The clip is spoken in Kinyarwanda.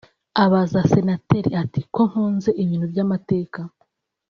abaza Senateri ati ‘Ko nkunze ibintu by’amateka